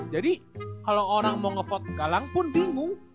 jadi kalo orang mau nge vote galang pun bingung